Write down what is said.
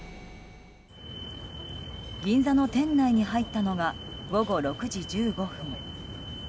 銀座の店内に入ったのが午後６時１５分。